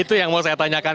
itu yang mau saya tanyakan